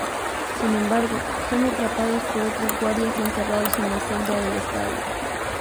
Sin embargo, son atrapados por otros guardias y encerrados en la celda del estadio.